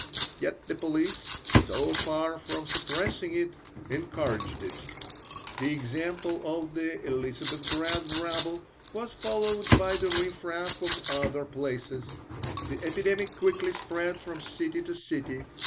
Yet the police, so far from suppressing it, encouraged it. The example of the Elisabethgrad rabble was followed by the riffraff of other places. The epidemic quickly spread from city to city.